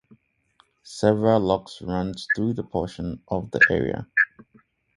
Several locks run through the portion of the area.